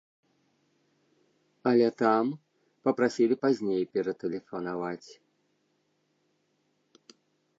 Але там папрасілі пазней ператэлефанаваць.